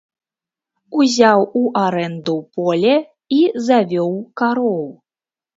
Узяў у арэнду поле і завёў кароў.